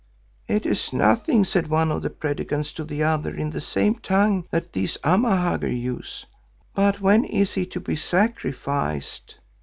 "'It is nothing,' said one of the Predikants to the other in the same tongue that these Amahagger use. 'But when is he to be sacrificed?